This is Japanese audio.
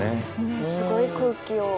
すごい空気を。